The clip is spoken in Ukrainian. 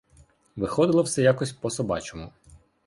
Виходило все якось по-собачому.